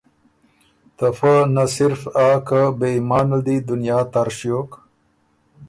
ته فۀ نۀ صرف آ که بې ایمانه ال دی دنیا تر ݭیوک